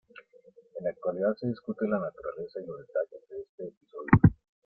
En la actualidad se discute la naturaleza y los detalles de este episodio.